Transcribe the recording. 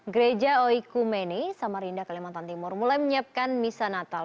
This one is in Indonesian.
gereja oikumene samarinda kalimantan timur mulai menyiapkan misa natal